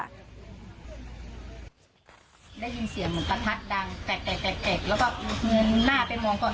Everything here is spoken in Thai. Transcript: ได้ยินเสียงเหมือนประทะดังแกลก